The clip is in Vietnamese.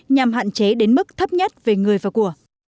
nhằm hạn chế đến mức thấp nhất về người và của